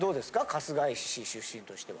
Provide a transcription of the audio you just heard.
春日井市出身としては。